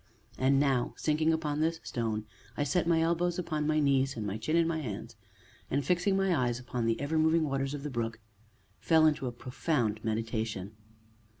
And now, sinking upon this stone, I set my elbows upon my knees, and my chin in my hands, and, fixing my eyes upon the ever moving waters of the brook, fell into a profound meditation.